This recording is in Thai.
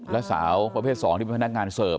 และสาวประเภท๒ที่เป็นพนักงานเสิร์ฟ